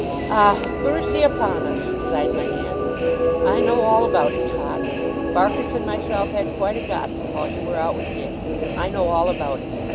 'Ah! Mercy upon us!' sighed my aunt. 'I know all about it, Trot! Barkis and myself had quite a gossip while you were out with Dick. I know all about it.